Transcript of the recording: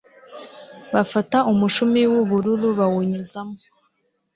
bafata umushumi w ubururu bawunyuza mo